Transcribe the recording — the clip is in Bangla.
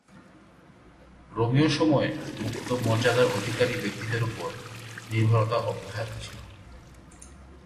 রোমীয় সময়ে, মুক্ত মর্যাদার অধিকারী ব্যক্তিদের ওপর নির্ভরতা অব্যাহত ছিল।